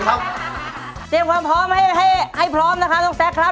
เตรียมความพร้อมให้พร้อมนะคะน้องแซคครับ